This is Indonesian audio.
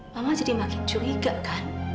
mama jadi makin curiga kan